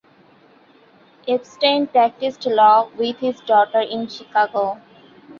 Epstein practiced law with his daughter in Chicago.